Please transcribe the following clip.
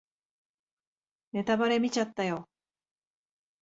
ネタバレ見ちゃったよ